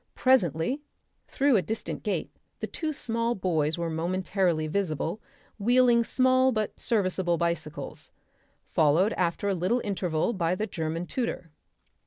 Presently through a distant gate the two small boys were momentarily visible wheeling small but serviceable bicycles, followed after a little interval by the German tutor.